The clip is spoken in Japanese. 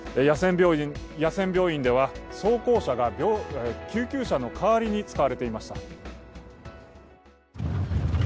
野戦病院では、装甲車が救急車の代わりに使われていました。